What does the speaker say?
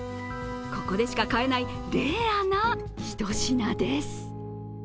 ここでしか買えないレアなひと品です。